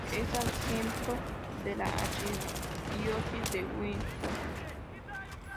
Es el asiento de la archidiócesis de Windhoek.